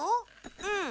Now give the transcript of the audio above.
うん。